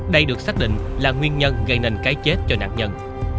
đây được xác định là nguyên nhân gây nên cái chết cho nạn nhân